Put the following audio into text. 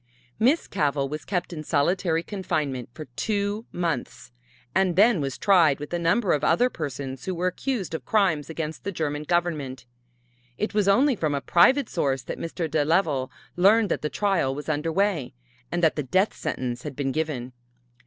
Miss Cavell was kept in solitary confinement for two months and then was tried with a number of other persons who were accused of crimes against the German Government. It was only from a private source that Mr. de Leval learned that the trial was under way, and that the death sentence had been given.